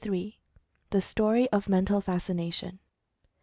THE STORY OF MENTAL FASCINATION.